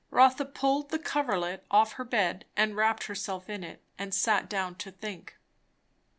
Rotha pulled the coverlet off her bed and wrapped herself in it, and sat down to think.